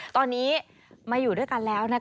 ตอนนี้มาอยู่ด้วยกันแล้ว